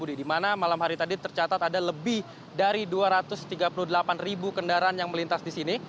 di mana malam hari tadi tercatat ada lebih dari dua ratus tiga puluh delapan ribu kendaraan yang melintas di sini